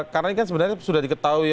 karena ini kan sebenarnya sudah diketahui